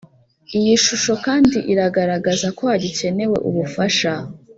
Iyi shusho kandi iragaragaza ko hagikenewe ubufasha